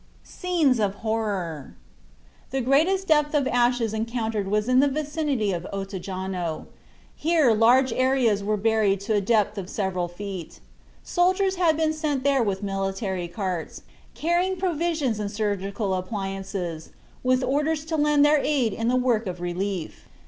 SCENES OF HORROR. The greatest depth of ashes encountered was in the vicinity of Ottajano. Here large areas were buried to a depth of several feet. Soldiers had been sent there with military carts, carrying provisions and surgical appliances, with orders to lend their aid in the work of relief.